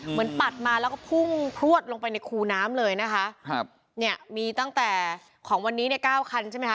ปัดมาแล้วก็พุ่งพลวดลงไปในคูน้ำเลยนะคะครับเนี่ยมีตั้งแต่ของวันนี้เนี่ยเก้าคันใช่ไหมค